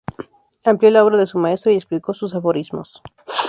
Amplió la obra de su maestro y explicó sus aforismos.